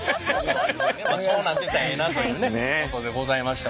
そうなってたらええなというねことでございました。